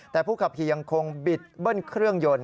แต่ผู้ขับขี่ยังคงบิดเบิ้ลเครื่องยนต์